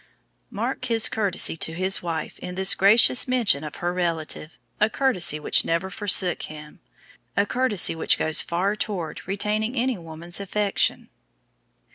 Mark his courtesy to his wife in this gracious mention of her relative a courtesy which never forsook him a courtesy which goes far toward retaining any woman's affection.